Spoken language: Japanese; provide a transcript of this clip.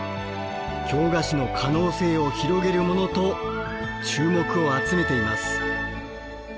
京菓子の可能性を広げるモノと注目を集めています。